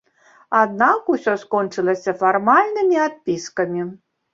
Аднак усё скончылася фармальнымі адпіскамі.